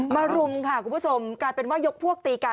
รุมค่ะคุณผู้ชมกลายเป็นว่ายกพวกตีกัน